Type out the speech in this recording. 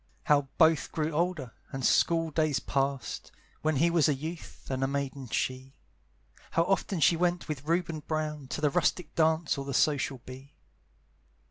How both grew older, and school days passed, When he was a youth, and a maiden she; How often she went with Reuben Brown To the rustic dance or the social bee.